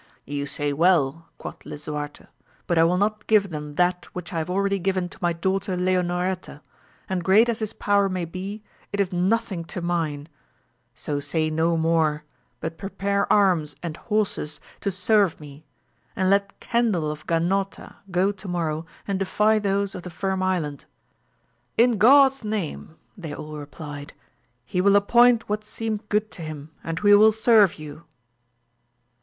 You say well, quoth lisuarte, but I will not give them that whieb I have already given to my daught^ Leonoreta^ and great as his power may be, it is nothing to mine ! 80 say no more, but prepare arms and horses to serve rae, and let Cendil of Ganota go to morrow and defy those of the Firm Island. In God's name ! they all replied; he will appoint what seemeth good to him, and we will serve you.